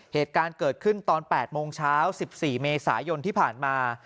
เหตุการณ์เกิดขึ้นตอน๘โมงเช้า๑๔เมษายนที่ผ่านมา